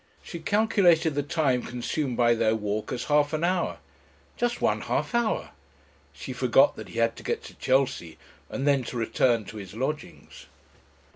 She calculated the time consumed by their walk as half an hour, "just one half hour;" she forgot that he had to get to Chelsea and then to return to his lodgings.